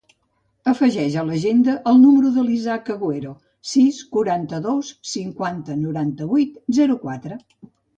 Afegeix a l'agenda el número de l'Isaac Aguero: sis, quaranta-dos, cinquanta, noranta-vuit, zero, quatre.